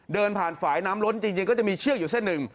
เดินผ่านฝ่ายน้ำล้นจริงก็จะมีเชือกอยู่เส้นหนึ่ง